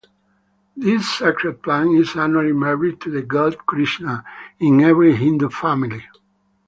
This sacred plant is annually married to the god Krishna in every Hindu family.